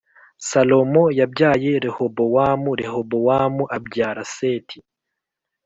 Salomo yabyaye Rehobowamu Rehobowamu abyara seti